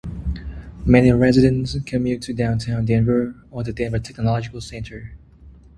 Many residents commute to Downtown Denver or the Denver Technological Center.